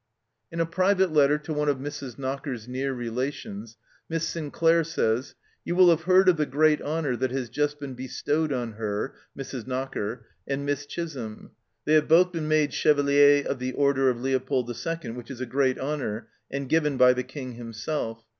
In a private letter to one of Mrs. Knocker's near relations Miss Sinclair says :" You will have heard of the great honour that has just been bestowed on her (Mrs. Knocker) and Miss Chisholm: they have both been made Chevaliers de 1'Ordre de Leopold II., which is a great honour, and given by the King himself.